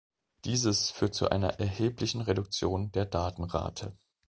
Dieses führt zu einer erheblichen Reduktion der Datenrate.